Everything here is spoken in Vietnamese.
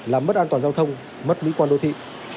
làm mất an toàn giao thông mất mỹ quan đô thị